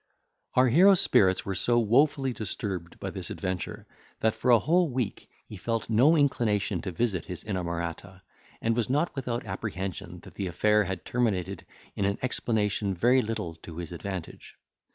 Our hero's spirits were so wofully disturbed by this adventure, that, for a whole week, he felt no inclination to visit his inamorata, and was not without apprehension that the affair had terminated in an explanation very little to his advantage.